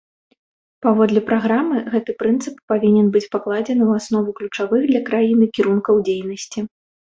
Паводле праграмы, гэты прынцып павінен быць пакладзены ў аснову ключавых для краіны кірункаў дзейнасці.